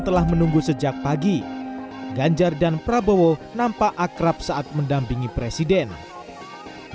telah menunggu sejak pagi ganjar dan prabowo nampak akrab saat mendampingi presiden